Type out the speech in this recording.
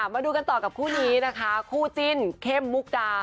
มาดูกันต่อกับคู่นี้นะคะคู่จิ้นเข้มมุกดา